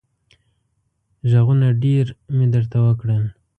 غږونه ډېر مې درته وکړل.